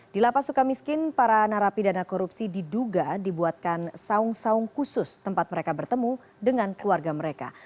di lapas suka miskin para narapidana korupsi diduga dibuatkan saung saung khusus tempat mereka bertemu dengan keluarga mereka